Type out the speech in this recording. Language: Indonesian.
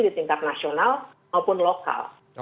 di tingkat nasional maupun lokal